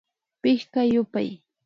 Pichka yupay